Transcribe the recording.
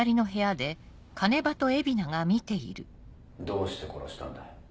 どうして殺したんだ？